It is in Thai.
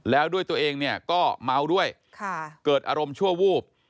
แล้วด้วยตัวเองเนี่ยก็เมาด้วยเกิดอารมณ์ชั่ววูบ